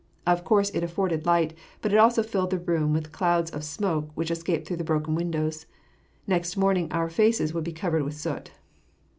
Of course it afforded light, but it also filled the room with clouds of smoke which escaped through the broken windows. Next morning our faces would be covered with soot.